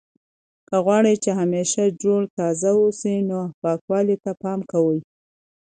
که غواړئ چې همیشه جوړ تازه اوسئ نو پاکوالي ته پام کوئ.